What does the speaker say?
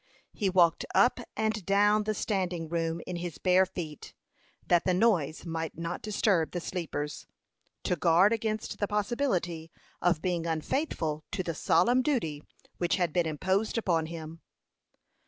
He walked up and down the standing room in his bare feet, that the noise might not disturb the sleepers, to guard against the possibility of being unfaithful to the solemn duty which had been imposed upon him.